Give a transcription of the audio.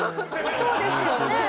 そうですね。